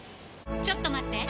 ちょっと待って！